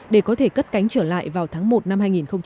để có thể cất cánh trở lại vào tháng một năm hai nghìn hai mươi